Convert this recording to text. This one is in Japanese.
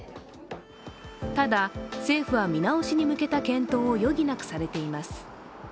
ただ、政府は見直しに向けた検討を余儀なくされています。